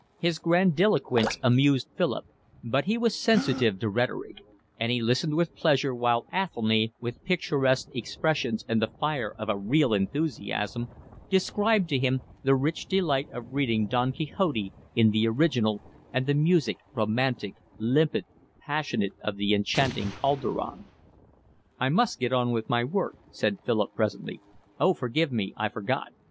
His grandiloquence amused Philip, but he was sensitive to rhetoric; and he listened with pleasure while Athelny, with picturesque expressions and the fire of a real enthusiasm, described to him the rich delight of reading Don Quixote in the original and the music, romantic, limpid, passionate, of the enchanting Calderon. "I must get on with my work," said Philip presently. "Oh, forgive me, I forgot.